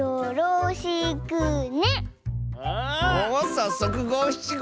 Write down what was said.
さっそくごしちご！